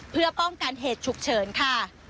เพื่อป้องกันเหตุฉุกเฉินค่ะ